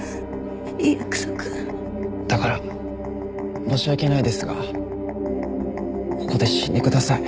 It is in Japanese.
だから申し訳ないですがここで死んでください。